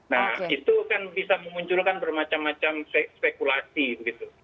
nah itu kan bisa memunculkan bermacam macam spekulasi begitu